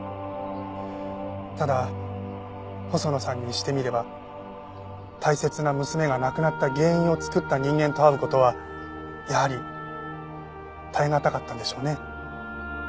ただ細野さんにしてみれば大切な娘が亡くなった原因を作った人間と会う事はやはり耐えがたかったんでしょうね。